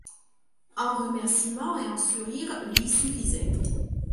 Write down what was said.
Un remerciement et un sourire lui suffisaient.